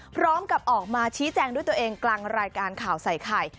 พร้อมกับออกมาชี้แจงด้วยตัวเองกลางรายการข่าวใส่ไข่